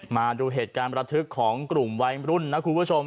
มาดูเหตุการณ์ประทึกของกลุ่มวัยรุ่นนะคุณผู้ชม